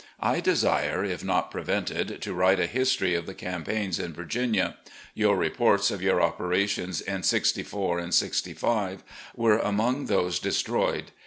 . I desire, if not prevented, to write a history of the campaigns in Virginia. ... Your reports of your operations in '64 and '65 were among those de stroyed.